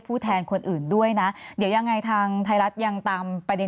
แทนคนอื่นด้วยนะเดี๋ยวยังไงทางไทยรัฐยังตามประเด็น